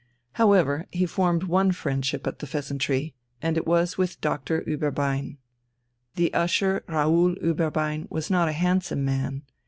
However, he formed one friendship at the "Pheasantry," and it was with Doctor Ueberbein. The Usher Raoul Ueberbein was not a handsome man.